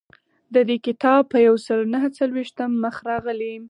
د دې کتاب په یو سل نهه څلویښتم مخ راغلی.